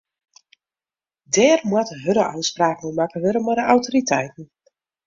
Dêr moatte hurde ôfspraken oer makke wurde mei de autoriteiten.